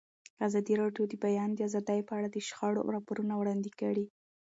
ازادي راډیو د د بیان آزادي په اړه د شخړو راپورونه وړاندې کړي.